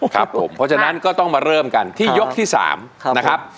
ครับผมเพราะฉะนั้นก็ต้องมาเริ่มกันที่ยกที่๓นะครับ